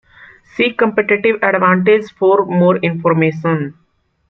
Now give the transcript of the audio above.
See competitive advantage for more information.